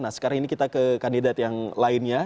nah sekarang ini kita ke kandidat yang lainnya